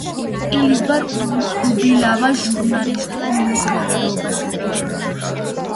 ელიზბარ უბილავა ჟურნალისტურ მოღვაწეობასაც ეწეოდა.